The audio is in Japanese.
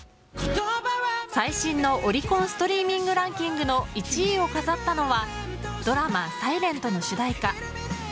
最新のオリコンストリーミングランキングの１位を飾ったのはドラマ「ｓｉｌｅｎｔ」の主題歌。